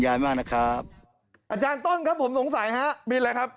อาจารย์ต้นครับผมสงสัยฮะมีอะไรครับ